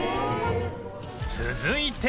続いて